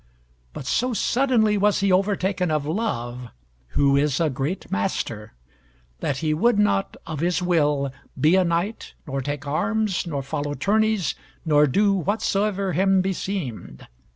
But so suddenly was he overtaken of Love, who is a great master, that he would not, of his will, be a knight, nor take arms, nor follow tourneys, nor do whatsoever him beseemed.